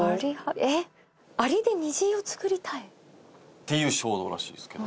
アリで虹を作りたい？っていう衝動らしいですけど。